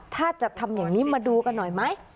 ถ้าจะทำอย่างนี้มาดูกันหน่อยไหม